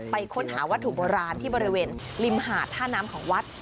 ค้นหาวัตถุโบราณที่บริเวณริมหาดท่าน้ำของวัด